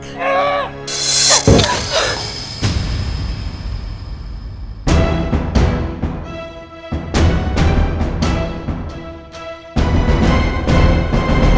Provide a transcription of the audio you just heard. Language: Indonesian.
lepasin aku mati sekarang